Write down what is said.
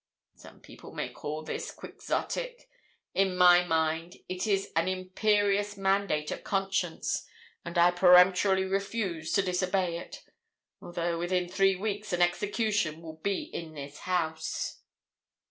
Some people may call this Quixotic. In my mind it is an imperious mandate of conscience; and I peremptorily refuse to disobey it, although within three weeks an execution will be in this house!'